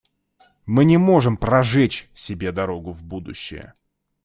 Мы не можем прожечь себе дорогу в будущее.